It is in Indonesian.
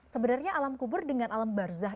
sebenarnya alam kubur dengan alam barzah